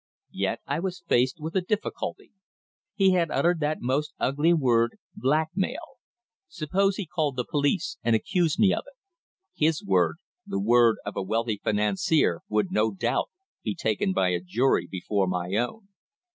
Yet I was faced with a difficulty. He had uttered that most ugly word "blackmail." Suppose he called the police and accused me of it! His word the word of a wealthy financier would, no doubt, be taken by a jury before my own!